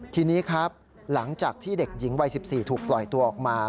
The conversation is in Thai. ทีนี้ครับหลังจากที่เด็กหญิงวัย๑๔ถูกปล่อยตัวออกมา